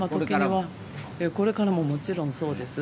これからも、もちろんそうです。